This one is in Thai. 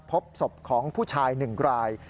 พบศพของผู้ชาย๑ราย